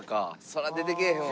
そりゃ出てけえへんわ。